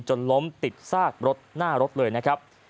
จนล้มติดซากรถหน้ารถเลยนะครับ